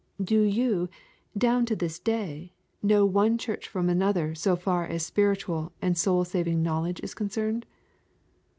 Do you, down to this day, know one church from another so far as spiritual and soul saving knowledge is concerned?